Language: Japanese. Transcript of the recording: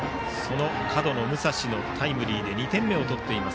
角野夢才志のタイムリーで２点目を取っています